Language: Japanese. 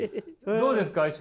どうですか？